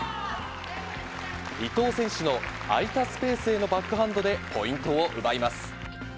伊藤選手の空いたスペースへのバックハンドで、ポイントを奪います。